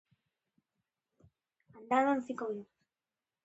Andaban cinco minutos.